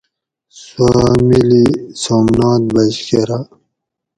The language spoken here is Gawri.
سوا مِلی سومنات بچ کراۤ